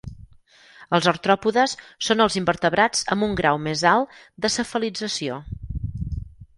Els artròpodes són els invertebrats amb un grau més alt de cefalització.